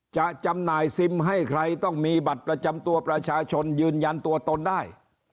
จำหน่ายซิมให้ใครต้องมีบัตรประจำตัวประชาชนยืนยันตัวตนได้